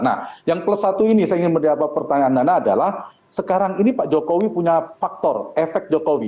nah yang plus satu ini saya ingin mendapat pertanyaan nana adalah sekarang ini pak jokowi punya faktor efek jokowi